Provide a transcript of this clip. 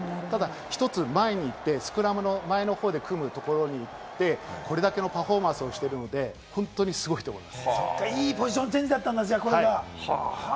ただ１つ前に行って、スクラムの前の方で組むところに行って、これだけのパフォーマンスをしているので、本当にすごいと思います。